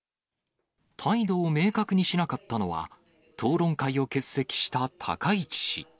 態度を明確にしなかったのは、討論会を欠席した高市氏。